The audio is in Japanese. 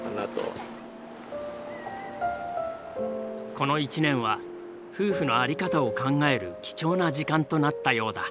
この一年は夫婦の在り方を考える貴重な時間となったようだ。